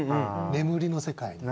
眠りの世界に。